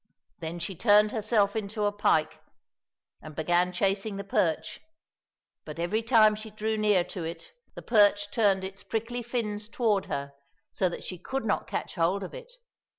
" Then she turned herself into a pike and began chasing the perch, but every time she drew near to it, the perch turned its prickly fins toward her, so that she could not catch hold of it.